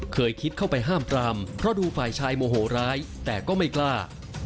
เคยคิดเข้าไปห้ามปรามเพราะดูฝ่ายชายโมโหร้ายแต่ก็ไม่กล้า